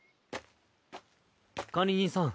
管理人さん。